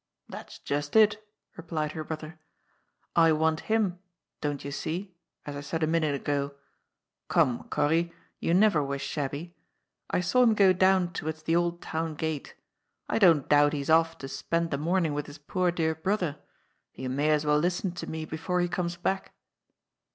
That's just it," replied her brother. " I want him — don't you see ?— as I said a minute ago. Gome, Gorry, you never were shabby. I saw him go down towards the Old Town Gate. I don't doubt he is off to spend the morning with his poor dear brother. You may as well listen to me before he comes back."